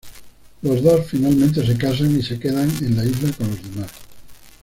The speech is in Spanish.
Los dos finalmente se casan y se quedan en la isla con los demás.